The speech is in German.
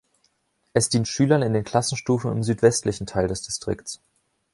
Es dient Schülern in den Klassenstufen im südwestlichen Teil des Distrikts.